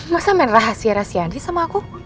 masa main rahasia rahasia aja sama aku